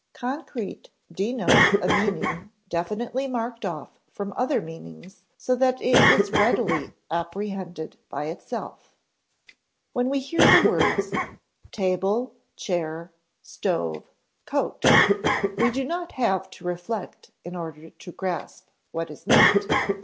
Concrete denotes a meaning definitely marked off from other meanings so that it is readily apprehended by itself. When we hear the words, table, chair, stove, coat, we do not have to reflect in order to grasp what is meant.